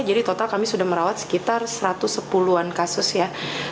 jadi total kami sudah merawat sekitar satu ratus sepuluh an kasus ya